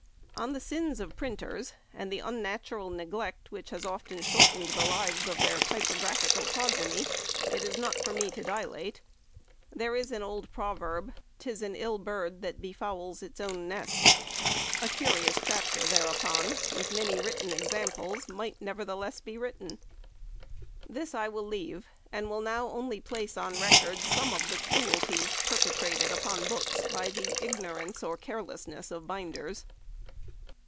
On the sins of printers, and the unnatural neglect which has often shortened the lives of their typographical progeny, it is not for me to dilate. There is an old proverb, "'Tis an ill bird that befouls its own nest"; a curious chapter thereupon, with many modern examples, might nevertheless be written. This I will leave, and will now only place on record some of the cruelties perpetrated upon books by the ignorance or carelessness of binders.